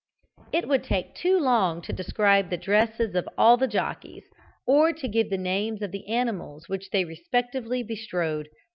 It would take too long to describe the dresses of all the jockeys or to give the names of the animals which they respectively bestrode.